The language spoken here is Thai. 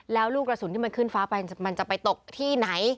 แล้วลูกกระสุนที่มันขึ้นฟ้าไปมันจะไปตกที่ไหน